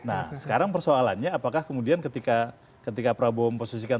nah sekarang persoalannya apakah kemudian ketika prabowo memposisikan